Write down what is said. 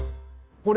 これ。